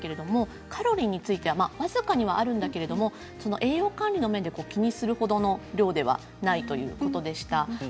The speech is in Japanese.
カロリーについては僅かにはあるんだけれども栄養管理の面で気にするほどの量ではないということでした。